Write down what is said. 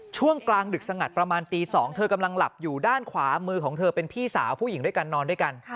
ช่วงกลางดึกสงัดประมาณตี๒เธอกำลังหลับอยู่ด้านขวามือของเธอเป็นพี่สาวผู้หญิงด้วยกันนอนด้วยกัน